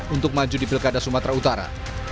untuk maju di pilkada sumatera utara